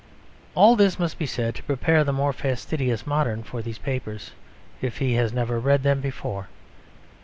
All this must be said to prepare the more fastidious modern for these papers, if he has never read them before.